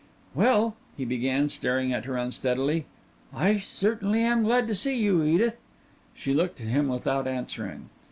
"Well," he began, staring at her unsteadily, "I certainly am glad to see you, Edith." She looked at him without answering.